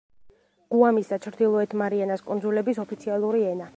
გუამის და ჩრდილოეთ მარიანას კუნძულების ოფიციალური ენა.